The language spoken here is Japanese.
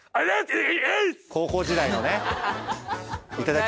高校時代のね。